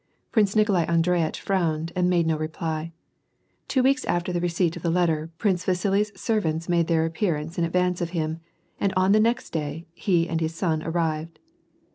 Prince ^Nikolai Andreitch frowned, and made no reply. Two weeks after the receipt of the letter, Prince Vasili's servants made their appear ance in advance of him, and on the next day, he and his son arrived.